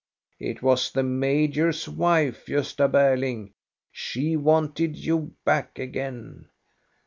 It was the major's wife, Gosta Berling. She wanted you back again.